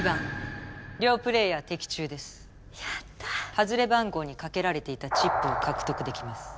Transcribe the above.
外れ番号に賭けられていたチップを獲得できます。